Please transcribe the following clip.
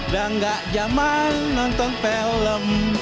dan gak jaman nonton film